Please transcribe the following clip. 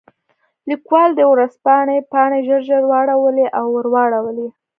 لیکوال د ورځپاڼې پاڼې ژر ژر واړولې او راواړولې.